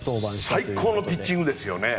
最高のピッチングですよね。